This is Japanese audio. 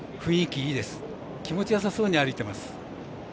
気持ちよさそうに歩いています。